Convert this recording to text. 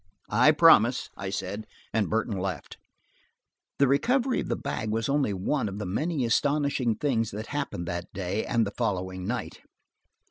"I promise," I said, and Burton left. The recovery of the bag was only one of the many astonishing things that happened that day and the following night.